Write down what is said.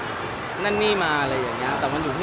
หมายถึงว่าความดังของผมแล้วทำให้เพื่อนมีผลกระทบอย่างนี้หรอค่ะ